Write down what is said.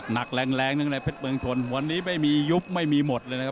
หนักแรงแรงหนึ่งในเพชรเมืองชนวันนี้ไม่มียุบไม่มีหมดเลยนะครับ